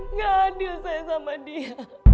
nggak adil saya sama dia